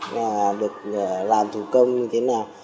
mà được làm thủ công như thế nào